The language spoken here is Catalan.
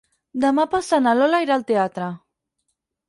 Demà passat na Lola irà al teatre.